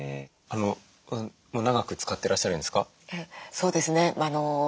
そうですね。